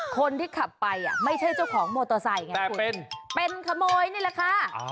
คนที่ขับไปไม่ใช่เจ้าของมอเตอร์ไซค์ไงเป็นขโมยนี่แหละค่ะ